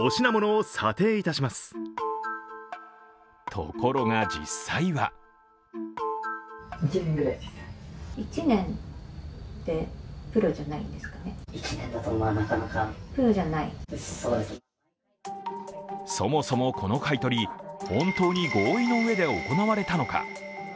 ところが実際はそもそもこの買い取り、本当に合意の上で行われたのか。